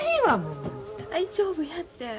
大丈夫やて。